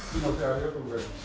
ありがとうございます。